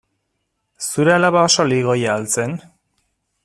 Zure alaba oso ligoia al zen?